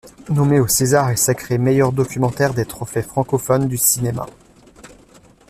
Nommé aux César et sacré Meilleur documentaire des Trophées francophones du cinéma.